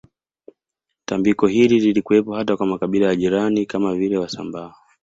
Tambiko hili lilikuwepo hata kwa makabila ya jirani kama vile wasambaa